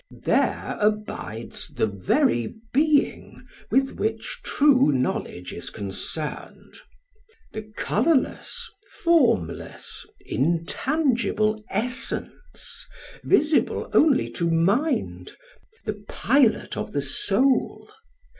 There abides the very being with which true knowledge is concerned; the colourless, formless, intangible essence, visible only to mind, the pilot of the soul.